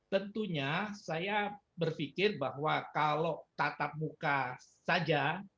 tentunya saya berpikir bahwa kalau tatap muka saja